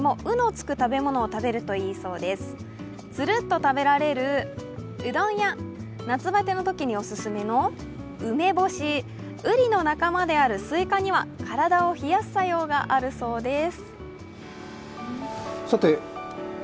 つるっと食べられるうどんや夏バテのときにお勧めの梅干し、うりの仲間であるスイカには、体を冷やす作用があるそうです。